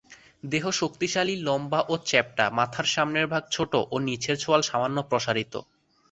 দেহ শক্তিশালী, লম্বা ও চ্যাপ্টা, মাথার সামনের ভাগ ছোট ও নিচের চোয়াল সামান্য প্রসারিত।